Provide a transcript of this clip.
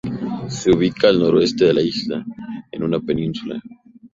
Se ubica al noreste de la isla, en una península.